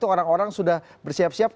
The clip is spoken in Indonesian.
orang orang sudah bersiap siap